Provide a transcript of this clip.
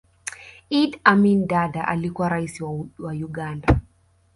idd amin dada alikuwa raisi wa uganda